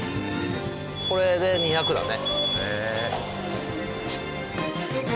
これで２００だね。